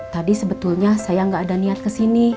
tadi sebetulnya saya nggak ada niat kesini